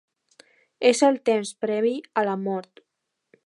És el temps previ a la mort.